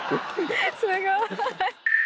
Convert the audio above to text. すごい！